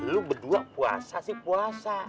lu berdua puasa sih puasa